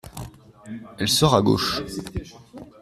Elle sort à gauche.